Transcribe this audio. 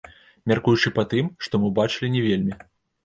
Мяркуючы па тым, што мы ўбачылі, не вельмі.